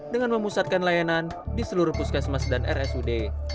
dengan memusatkan layanan di seluruh puskesmas dan rsud